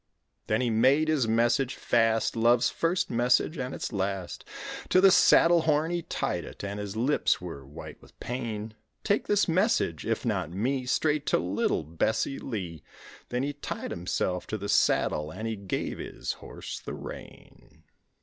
Then he made his message fast, Love's first message and its last, To the saddle horn he tied it and his lips were white with pain, "Take this message, if not me, Straight to little Bessie Lee;" Then he tied himself to the saddle, and he gave his horse the rein.